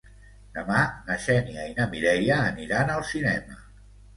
Demà na Xènia i na Mireia aniran al cinema.